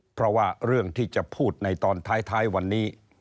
เพราะว่าเรื่องที่จะพูดในตอนท้ายวันนี้